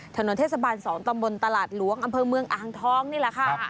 ถนนเทศบาล๒ตำบลตลาดหลวงอำเภอเมืองอ่างทองนี่แหละค่ะ